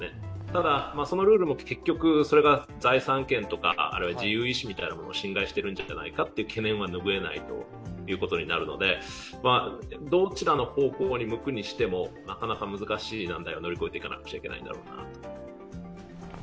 ただ、そのルールも結局それが財産権とか自由意志を侵害しているんじゃないかという懸念はぬぐえないことになるので、どちらの方向に向くにしてもなかなか難しい難題を乗り越えていかなくちゃいけないんだろうなと。